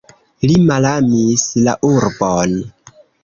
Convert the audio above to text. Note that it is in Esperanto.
Li malamis la urbon.